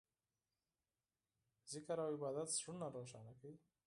ذکر او عبادت زړونه روښانه کوي.